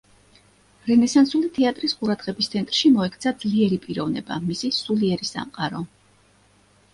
რენესანსული თეატრის ყურადღების ცენტრში მოექცა ძლიერი პიროვნება, მისი სულიერი სამყარო.